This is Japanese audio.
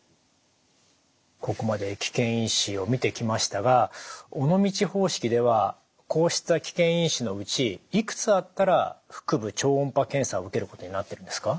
ここまで危険因子を見てきましたが尾道方式ではこうした危険因子のうちいくつあったら腹部超音波検査を受けることになってるんですか？